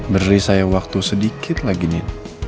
beri saya waktu sedikit lagi nih